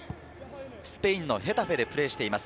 スペインのヘタフェでプレーしています。